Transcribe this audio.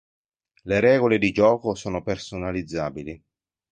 Le regole di gioco sono personalizzabili.